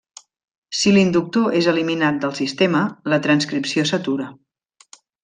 Si l'inductor és eliminat del sistema, la transcripció s'atura.